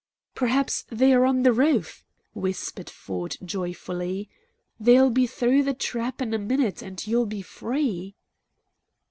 "Perhaps they are on the roof,"' whispered Ford joyfully. "They'll be through the trap in a minute, and you'll be free!"